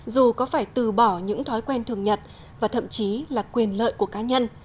dù có phải từ bỏ những thói quen thường nhật và thậm chí là quyền lợi của cá nhân